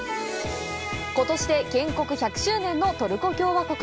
ことしで建国１００周年のトルコ共和国。